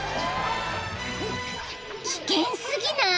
［危険過ぎない？］